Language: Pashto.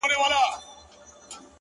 دى خو بېله تانه كيسې نه كوي ـ